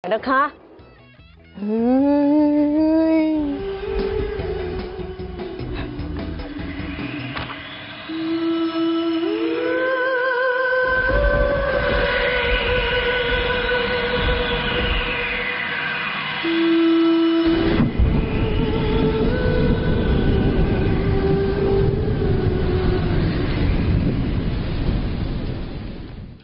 เดี๋ยวค่ะ